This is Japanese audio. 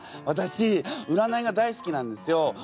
私占いが大好きなんですよ。